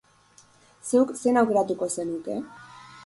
Zuk, zein aukeratuko zenuke?